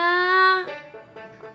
gak cukup pulsaanya